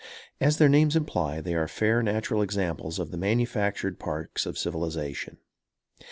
As their names imply, they are fair natural examples of the manufactured parks of civilization.